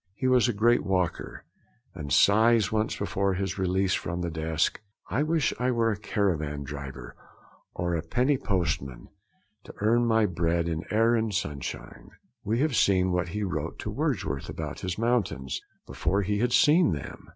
He was a great walker, and sighs once, before his release from the desk: 'I wish I were a caravan driver or a penny post man, to earn my bread in air and sunshine.' We have seen what he wrote to Wordsworth about his mountains, before he had seen them.